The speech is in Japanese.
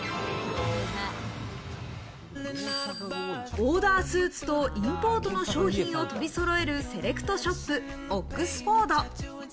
オーダースーツとインポートの商品を取りそろえるセレクトショップ、ＯＸＦＯＲＤ。